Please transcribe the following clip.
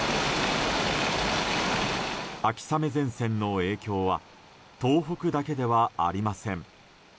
秋雨前線の影響は東北だけではありません。